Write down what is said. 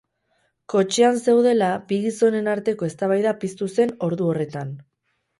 Kotxean zeudela, bi gizonen arteko eztabaida piztu zen ordu horretan.